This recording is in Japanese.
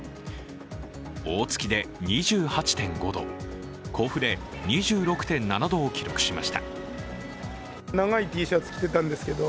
大月で２８．５度、甲府で２６．７度を記録しました。